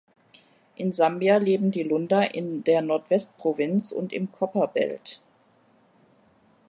In Sambia leben die Lunda in der Nordwestprovinz und im Copperbelt.